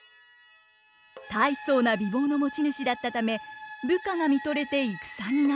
大層な美貌の持ち主だったため部下が見とれて戦にならず。